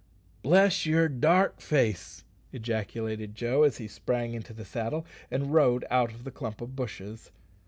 "Bless yer dark face!" ejaculated Joe, as he sprang into the saddle and rode out of the clump of bushes.